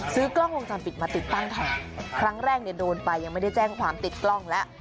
ซื้อกล้องวงจรปิดมาติดตั้งแทนครั้งแรกเนี่ยโดนไปยังไม่ได้แจ้งความติดกล้องแล้ว